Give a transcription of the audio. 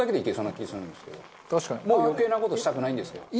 もう余計な事したくないんですけど。